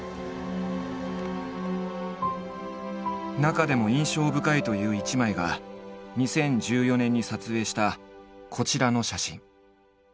中でも印象深いという一枚が２０１４年に撮影したこちらの写真。